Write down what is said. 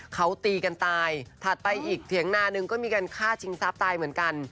เขาตีกันตายถัดไปอีกเถียงนานึงก็มีการฆ่าชิงทรัพย์ตายเหมือนกัน